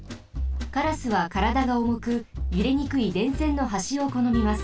カラスはからだがおもくゆれにくい電線のはしをこのみます。